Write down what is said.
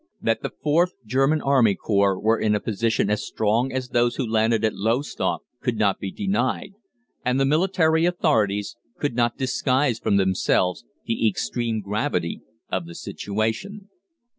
That the Fourth German Army Corps were in a position as strong as those who landed at Lowestoft could not be denied, and the military authorities could not disguise from themselves the extreme gravity of the situation.